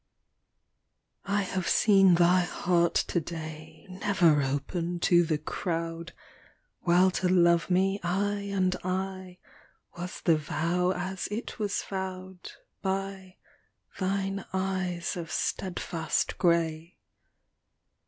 n, I have seen thy heart to day, Never open to the crowd, While to love me aye and aye Was the vow as it was vowed By thine eyes of steadfast grey.